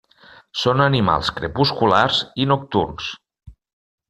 Són animals crepusculars i nocturns.